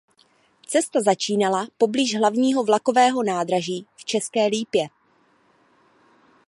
Cesta začínala poblíž hlavního vlakového nádraží v České Lípě.